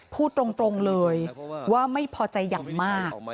พูดตรงเลยว่าไม่พอใจอย่างมาก